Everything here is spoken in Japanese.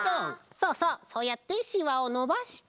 そうそうそうやってしわをのばして。